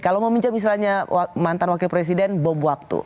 kalau meminjam misalnya mantan wakil presiden bom waktu